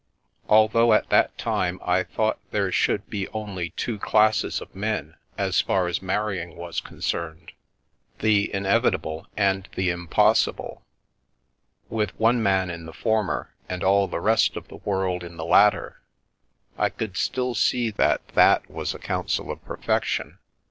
Although at that time I thought there should be only two classes of men as far as marrying was concerned — the Inevitable and the Impossible, with one man in the former and all the rest of the world in the latter — I could still see that that was a counsel of perfection.